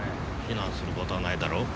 非難することはないだろう。